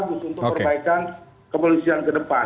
khusus untuk perbaikan kepolisian ke depan